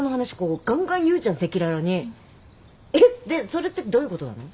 それってどういうことなの？